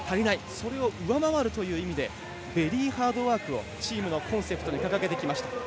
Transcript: それを上回るという意味でもベリーハードワークをチームのスローガンに掲げました。